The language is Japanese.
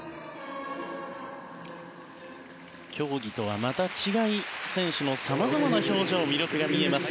競技とはまた違い選手の様々な表情魅力が見えます